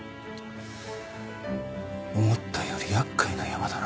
思ったより厄介なヤマだな。